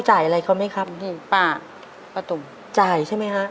จ่ายอะไรเขาไหมครับนี่ป้าป้าตุ๋มจ่ายใช่ไหมฮะ